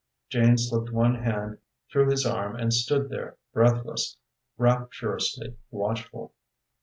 Jane slipped one hand through his arm and stood there, breathless, rapturously watchful.